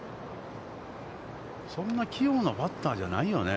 そんな器用なバッターじゃないよね。